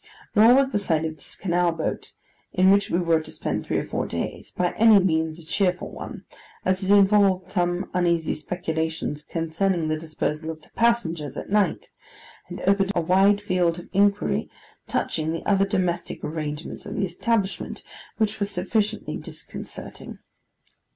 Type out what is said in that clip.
Nor was the sight of this canal boat, in which we were to spend three or four days, by any means a cheerful one; as it involved some uneasy speculations concerning the disposal of the passengers at night, and opened a wide field of inquiry touching the other domestic arrangements of the establishment, which was sufficiently disconcerting.